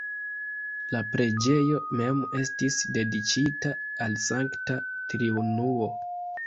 La preĝejo mem estis dediĉita al Sankta Triunuo.